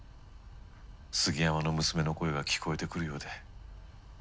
杉山の娘の声が聞こえてくるようで。